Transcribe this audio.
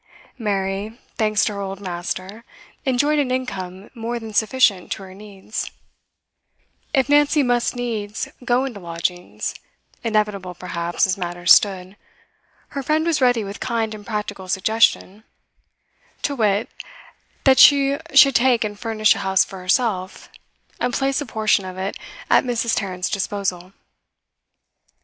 Mary, thanks to her old master, enjoyed an income more than sufficient to her needs; if Nancy must needs go into lodgings, inevitable, perhaps, as matters stood, her friend was ready with kind and practical suggestion; to wit, that she should take and furnish a house for herself, and place a portion of it at Mrs. Tarrant's disposal.